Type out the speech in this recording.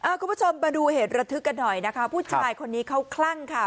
คุณผู้ชมมาดูเหตุระทึกกันหน่อยนะคะผู้ชายคนนี้เขาคลั่งค่ะ